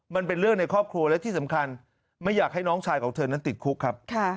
มันเป็นเรื่องในครอบครัวและที่สำคัญไม่อยากให้น้องชายของเธอนั้นติดคุกครับ